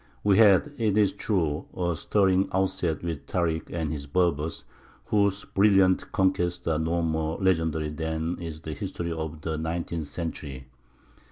We had, it is true, a stirring outset with Tārik and his Berbers, whose brilliant conquests are no more legendary than is the history of the nineteenth century.